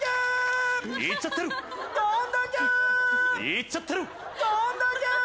いっちゃってるー。